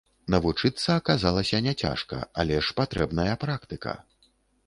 Навучыцца аказалася няцяжка, але ж патрэбная практыка.